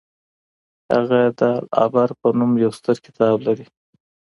هغه د العبر په نوم يو ستر کتاب لري.